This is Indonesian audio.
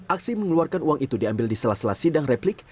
aksi mengeluarkan uang itu diambil di sela sela sidang replik